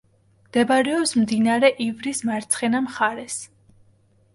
მდებარეობს მდინარე ივრის მარცხენა მხარეს.